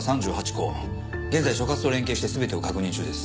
現在所轄と連携して全てを確認中です。